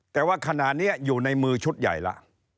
แต่ว่าขณะนี้อยู่ในมือชุดใหญ่แล้ว